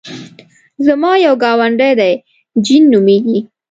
زما یو ګاونډی دی جین نومېږي.